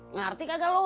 ngerti kagak lu